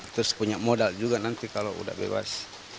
terus punya modal juga nanti kalau udah bebas